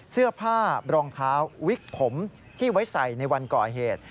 เสื้อผ้ารองเท้าวิกผมที่ไว้ใส่ในวันก่อเหตุ